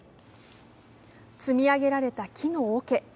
積み上げられた木のおけ。